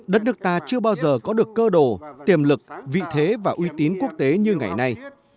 đất nước ta chưa bao giờ có được cơ đồ tiềm lực vị thế và uy tín quốc tế như ngày nay